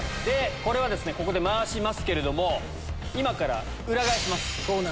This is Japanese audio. これはですね、ここで回しますけれども、今から裏返します。